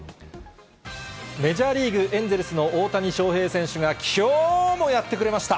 メジャーリーグ・エンゼルスの大谷翔平選手が、きょうもやってくれました。